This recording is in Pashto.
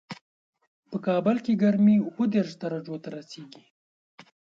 په کابل کې ګرمي اووه دېش درجو ته رسېږي